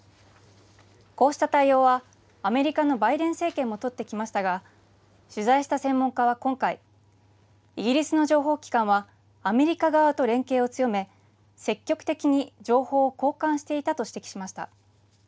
こうした対応は、アメリカのバイデン政権も取ってきましたが、取材した専門家は今回、イギリスの情報機関はアメリカ側と連携を強め、積極的に情報を交換していたと指摘しました。